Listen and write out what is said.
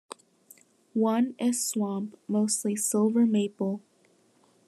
One is swamp, mostly silver maple.